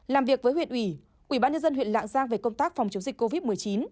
làm việc với huyện ủy ubnd huyện lạng giang về công tác phòng chống dịch covid một mươi chín